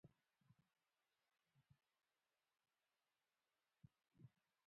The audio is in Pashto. وګړي د افغانستان د ناحیو ترمنځ تفاوتونه رامنځ ته کوي.